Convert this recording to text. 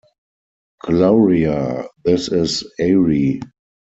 Gloria, this is Ari.